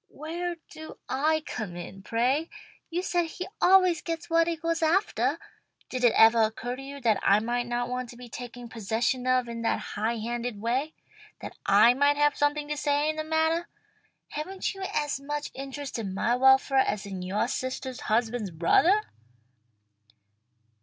"Where do I come in, pray? You say he always gets what he goes aftah. Did it evah occur to you that I might not want to be taken possession of in that high handed way? That I might have something to say in the mattah? Haven't you as much interest in my welfare as in yoah sistah's husband's brothah?"